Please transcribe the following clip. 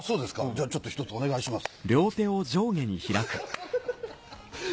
じゃちょっとひとつお願いします。